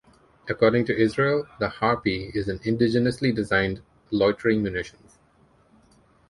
According to Israel, the Harpy is an indigenously designed loitering munitions.